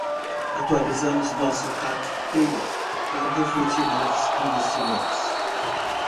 Atualizamos nosso cap table para refletir novos investimentos.